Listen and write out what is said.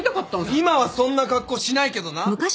今はそんな格好しないけどな。